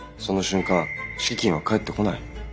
その瞬間敷金は返ってこない。